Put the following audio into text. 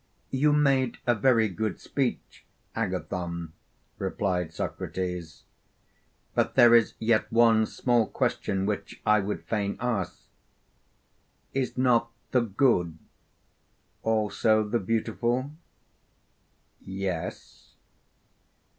You made a very good speech, Agathon, replied Socrates; but there is yet one small question which I would fain ask: Is not the good also the beautiful? Yes.